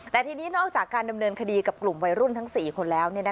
แต่ทีนี้นอกจากการดำเนินคดีกับกลุ่มวัยรุ่นทั้ง๔คนแล้ว